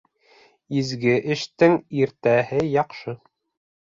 Изге эштең иртәһе яҡшы.